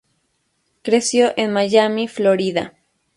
Creció en Miami, Florida.